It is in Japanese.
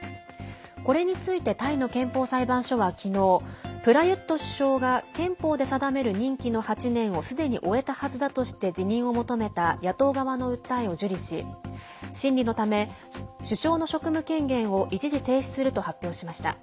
これについてタイの憲法裁判所は昨日、プラユット首相が憲法で定める任期の８年をすでに終えたはずだとして辞任を求めた野党側の訴えを受理し審理のため首相の職務権限を一時停止すると発表しました。